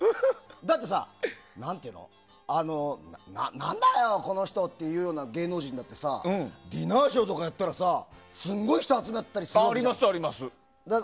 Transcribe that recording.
だってさ、何て言うの何だよこの人っていう芸能人だってディナーショーとかやったりすごい人集まったりするじゃん。